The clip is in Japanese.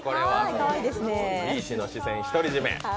ビーチの視線独り占め。